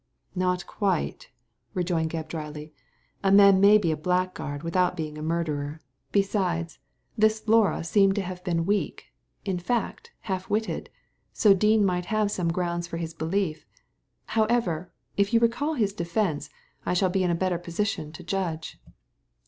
" Not quite," rejoined Gebb, dryly ;" a man may be a blackguard without being a murderer. Besides, this Laura seems to have been weak — in fact» Digitized by Google 68 THE LADY FROM NOWHERE half witted ; so Dean might have had some grounds for his belief. However, if you can recall his defence^ I shall be in a better position to judge.''